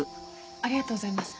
ありがとうございます。